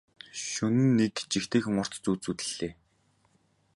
Шөнө нь нэг жигтэйхэн урт зүүд зүүдэллээ.